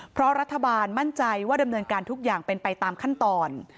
เพราะรัฐบาลมั่นใจว่าดำเนินการทุกอย่างเป็นไปตามขั้นตอน